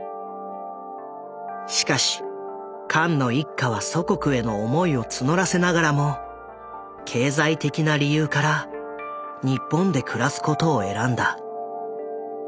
しかしカンの一家は祖国への思いを募らせながらも経済的な理由から日本で暮らすことを選んだ。